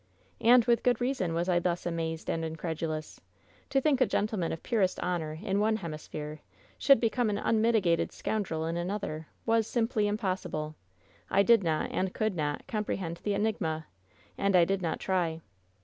"And with good reason was I thus amazed and in credulous! To think a gentleman of purest honor in one hemisphere should become an unmitigated scoundrel in another, was simply impossible! I did not ,and could not, comprehend the enigma, and I did not try!"